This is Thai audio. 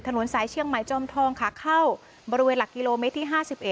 ถนนสายเชียงใหม่จอมทองขาเข้าบริเวณหลักกิโลเมตรที่๕๑